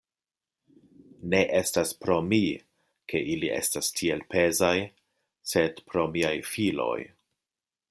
Ne estas pro mi, ke ili estas tiel pezaj, sed pro miaj filoj.